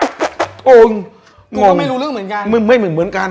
กูก็ไม่รู้เรื่องเหมือนกัน